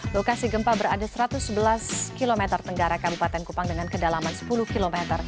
lokasi gempa berada satu ratus sebelas km tenggara kabupaten kupang dengan kedalaman sepuluh km